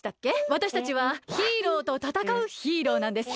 わたしたちはヒーローとたたかうヒーローなんです。